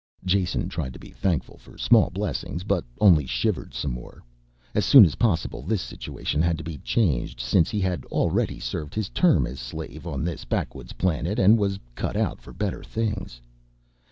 Jason tried to be thankful for small blessings, but only shivered some more. As soon as possible this situation had to be changed since he had already served his term as slave on this backwoods planet and was cut out for better things.